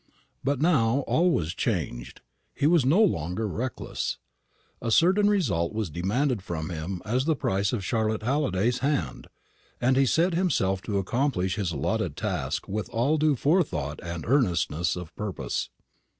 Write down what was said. But now all was changed. He was no longer reckless. A certain result was demanded from him as the price of Charlotte Halliday's hand, and he set himself to accomplish his allotted task with all due forethought and earnestness of purpose.